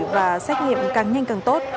và xét nghiệm càng nhanh càng tốt